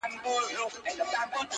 د جګو غرونو، شنو لمنو، غرڅنۍ سندري!